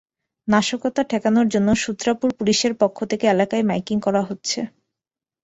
নাশকতা ঠেকানোর জন্য সূত্রাপুর পুলিশের পক্ষ থেকে এলাকায় মাইকিং করা হচ্ছে।